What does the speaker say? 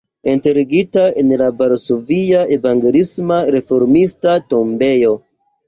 Enterigita en la varsovia evangeliisma-reformista tombejo.